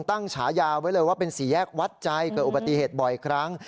ฉายาไว้เลยว่าเป็นสี่แยกวัดใจเกิดอุบัติเหตุบ่อยครั้ง